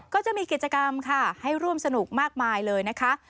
ก็จะมีกิจกรรมค่ะให้ร่วมสนุกมากมายเลยนะคะ